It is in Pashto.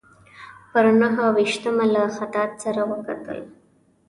پر نهه ویشتمه له خطاط سره وکتل.